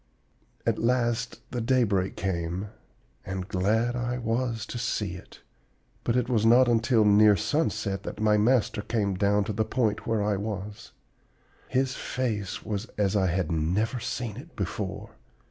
"At last the daybreak came, and glad I was to see it. But it was not until near sunset that my master came down to the point where I was. His face was as I had never seen it before.